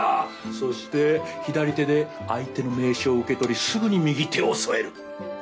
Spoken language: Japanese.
そして左手で相手の名刺を受け取りすぐに右手を添える。